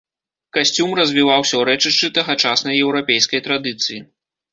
Касцюм развіваўся ў рэчышчы тагачаснай еўрапейскай традыцыі.